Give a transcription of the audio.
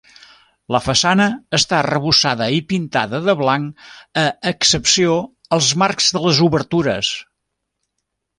La façana està arrebossada i pintada de blanc a excepció els marcs de les obertures.